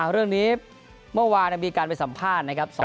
เรื่องนี้เมื่อวานมีการไปสัมภาษณ์นะครับ